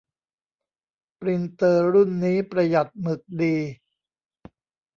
ปรินเตอร์รุ่นนี้ประหยัดหมึกดี